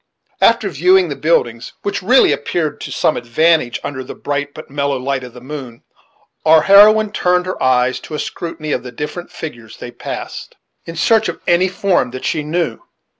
After viewing the buildings, which really appeared to some advantage under the bright but mellow light of the moon, our heroine turned her eyes to a scrutiny of the different figures they passed, in search of any form that she knew.